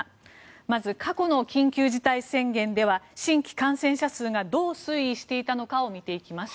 まず過去の緊急事態宣言では新規感染者数がどう推移していたのかを見ていきます。